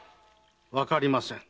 わかりません。